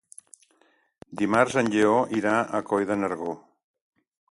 Dimarts en Lleó irà a Coll de Nargó.